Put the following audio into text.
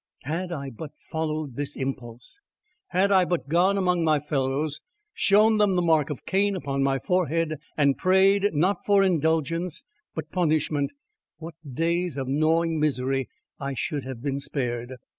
Had I but followed this impulse! Had I but gone among my fellows, shown them the mark of Cain upon my forehead, and prayed, not for indulgence, but punishment, what days of gnawing misery I should have been spared!